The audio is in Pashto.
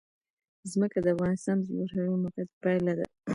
ځمکه د افغانستان د جغرافیایي موقیعت پایله ده.